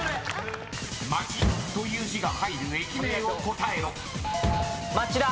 町という漢字が入る駅名を答えよ。